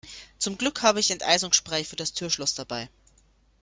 Zum Glück habe ich Enteisungsspray für das Türschloss dabei.